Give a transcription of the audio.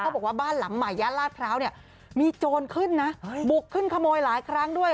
ก็บอกว่าบ้านหล่ำมายั้นราชพร้าวมีจนขึ้นบุกขึ้นขโมยหลายครั้งด้วย